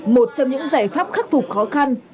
một trong những giải pháp khắc phục khó khăn